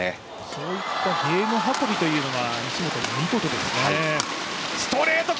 そういったゲーム運びというのは、西本選手は見事ですね。